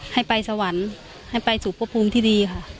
ให้ไปสวรรค์ให้ไปสู่พระภูมิที่ดีค่ะ